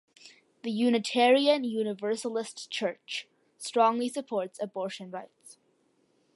The Unitarian Universalist Church strongly supports abortion rights.